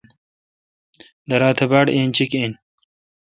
درا تہ باڑ اینچیک این۔